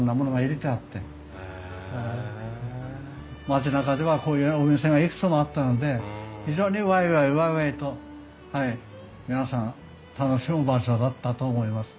町なかではこういうお店がいくつもあったので非常にワイワイワイワイと皆さん楽しむ場所だったと思います。